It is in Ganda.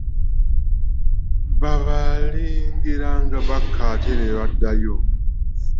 Baabalengeranga bakka ate ne baddayo.